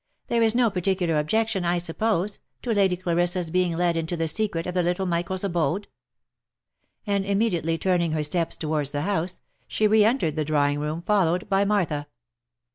" There is no particular objection, I suppose, to Lady Clarissa's being let into the secret of little Michael's abode." And immediately turn ing her steps towards the house, she re entered the drawing room, fol lowed by Martha.